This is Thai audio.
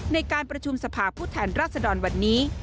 ในการประชุมสภาพผู้แทนราชดรวันนี้